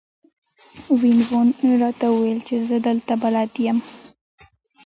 وین وون راته وویل چې زه دلته بلد یم.